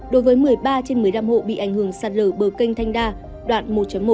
đối với một mươi ba trên một mươi năm hộ bị ảnh hưởng sạt lở bờ kênh thanh đa đoạn một một